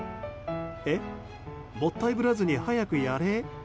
え、もったいぶらずに早くやれ？